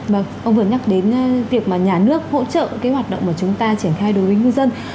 vâng ông vừa nhắc đến việc mà nhà nước hỗ trợ cái hoạt động của chúng ta triển khai đối với ngư dân